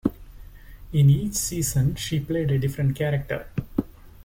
In each season she played a different character.